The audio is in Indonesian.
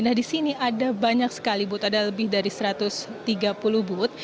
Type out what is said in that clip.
nah di sini ada banyak sekali but ada lebih dari satu ratus tiga puluh but